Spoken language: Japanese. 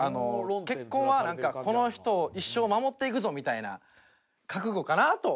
結婚はなんかこの人を一生守っていくぞみたいな覚悟かなと。